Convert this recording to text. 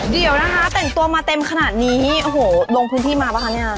เดี๋ยวนะคะแต่งตัวมาเต็มขนาดนี้โอ้โหลงพื้นที่มาป่ะคะเนี่ย